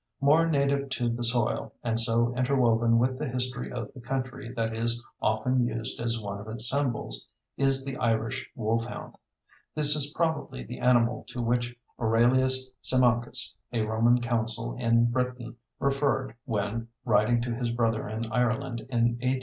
More native to the soil, and so interwoven with the history of the country that it is often used as one of its symbols, is the Irish wolfhound. This is probably the animal to which Aurelius Symmachus, a Roman consul in Britain, referred when, writing to his brother in Ireland in A.D.